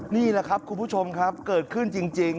นี่แหละครับคุณผู้ชมครับเกิดขึ้นจริง